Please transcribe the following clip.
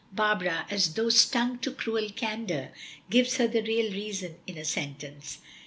Barbara, as though stung to cruel candor, gives her the real reason in a sentence.